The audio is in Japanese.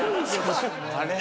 あれ？